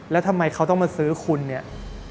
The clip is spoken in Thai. แล้วทำไมเขาต้องมาซื้อคุณเนี่ย